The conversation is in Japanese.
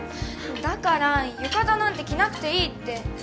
だから浴衣なんて着なくていいって。